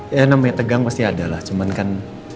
ya namanya tegang pasti ada lah cuman kan